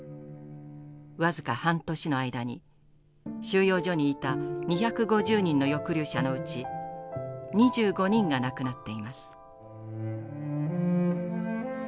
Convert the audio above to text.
僅か半年の間に収容所にいた２５０人の抑留者のうち２５人が亡くなっています。